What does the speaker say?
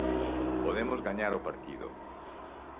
Podemos gañar o partido.